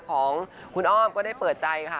ของคุณอ้อมก็ได้เปิดใจค่ะ